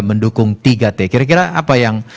mendukung tiga t kira kira apa yang